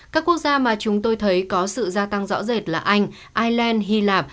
các quốc gia mà chúng tôi thấy có sự gia tăng rõ rệt là anh ireland hy lạp